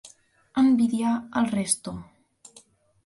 Envidar el resto.